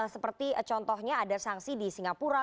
seperti contohnya ada sanksi di singapura